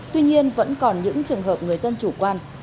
tuy nhiên vẫn còn những trường hợp người dân chủ quan